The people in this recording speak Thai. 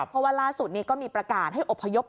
เพราะว่าล่าสุดนี้ก็มีประกาศให้อบพยพ